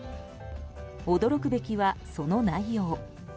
驚くべきは、その内容。